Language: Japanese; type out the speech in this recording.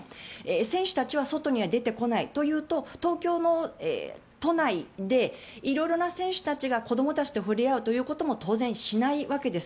選手たちは外には出てこないというと東京の都内で色々な選手たちが子どもたちと触れ合うということも当然しないわけです。